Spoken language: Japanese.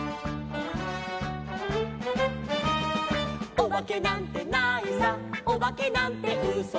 「おばけなんてないさおばけなんてうそさ」